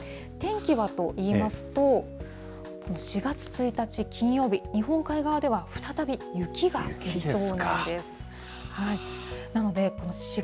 天気はといいますと、４月１日金曜日、日本海側では再び雪が降りそうなんです。